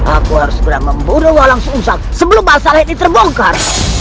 aku harus berang membunuh walang susang sebelum masalah ini terbongkar